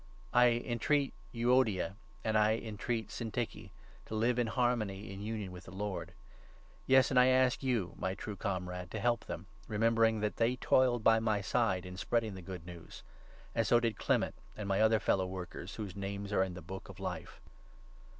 I entreat Euodia, and I entreat Syntyche, to live in harmony, 2 in union with the Lord ; yes, and I ask you, my true comrade, 3 to help them, remembering that they toiled by my side in spreading the Good News ; and so, too, did Clement and my other fellow workers, whose names are 'in the Book of Life.'